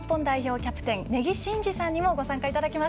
キャプテン根木慎志さんにもご参加いただきます。